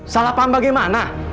salah paham bagaimana